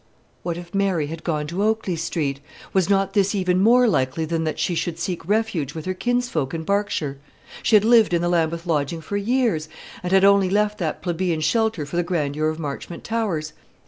What if Mary had gone to Oakley Street? Was not this even more likely than that she should seek refuge with her kinsfolk in Berkshire? She had lived in the Lambeth lodging for years, and had only left that plebeian shelter for the grandeur of Marchmont Towers.